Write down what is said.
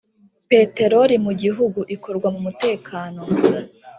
Peteroli mu gihugu ikorwa mu mutekano